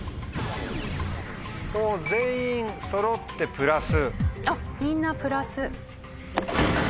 全員そろって「プラス」。